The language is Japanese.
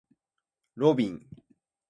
ロビン